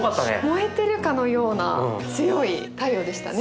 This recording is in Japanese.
燃えてるかのような強い太陽でしたね。